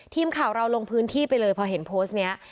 ทีมข่าวเราลงพื้นที่ไปเลยพอเห็นโพสต์นี้